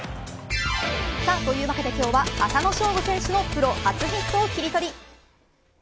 というわけで今日は浅野翔吾選手のプロ初ヒットをキリトリ。